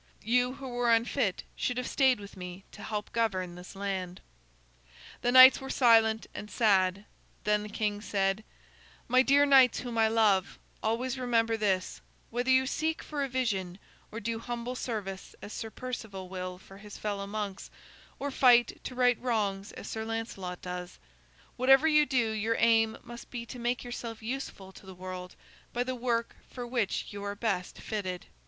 You who were unfit should have stayed with me to help govern this land." The knights were silent and sad; then the king said: "My dear knights whom I love, always remember this: whether you seek for a vision, or do humble service as Sir Perceval will for his fellow monks, or fight to right wrongs as Sir Lancelot does, whatever you do your aim must be to make yourself useful to the world by the work for which you are best fitted."